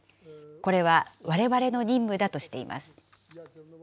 これはわれわれの任務だとしています。